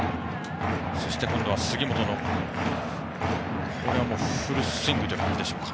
そして、杉本のこれはフルスイングという感じでしょうか。